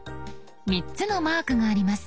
３つのマークがあります。